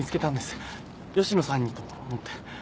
吉野さんにと思って。